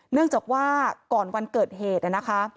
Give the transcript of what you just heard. เนื่องจากว่าก่อนวันเกิดเหตุนะคะ